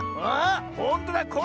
あほんとだ。